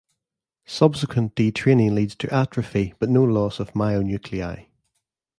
Subsequent detraining leads to atrophy but no loss of myo-nuclei.